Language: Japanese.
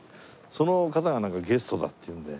その方がなんかゲストだっていうんで。